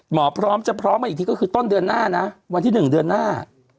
หมอพร้อมจะพร้อมมาอีกทีก็คือต้นเดือนหน้านะวันที่๑เดือนหน้า